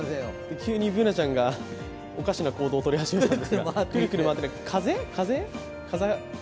急にＢｏｏｎａちゃんがおかしな行動をとり始めたんですが風？